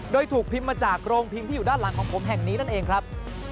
โดยถูกพิมพ์มาจากโรงพิมพ์ที่อยู่ด้านหลังของผมแห่งนี้นั่นเองครับ